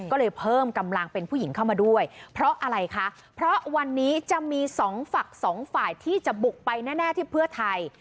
ก็เลยเพิ่มกำลังเป็นผู้หญิงเข้ามาด้วยเพราะอะไรคะเพราะวันนี้จะมีสองฝักสองฝ่ายที่จะบุกไปแน่ที่เพื่อไทย